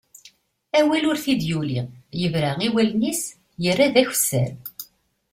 Awal ur t-id-yuli, yebra i wallen-is, yerra d akessar.